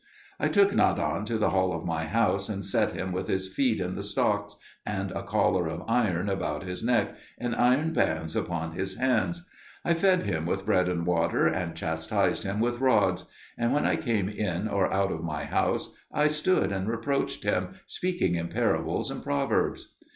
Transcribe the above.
I took Nadan to the hall of my house, and set him with his feet in the stocks, and a collar of iron about his neck, and iron bands upon his hands; I fed him with bread and water, and chastised him with rods. And when I came in or out of my house I stood and reproached him, speaking in parables and proverbs.